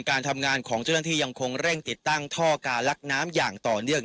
การทำงานของเจ้าหน้าที่ยังคงเร่งติดตั้งท่อการลักน้ำอย่างต่อเนื่อง